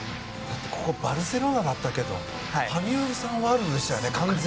ここバルセロナだったけど羽生さんワールドでしたね完全。